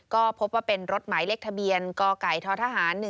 ก็พบว่าเป็นรถหมายเลขทะเบียนกไก่ททหาร๑๕